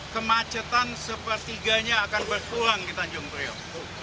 kemacetan sepertiganya akan berkurang di tanjung priok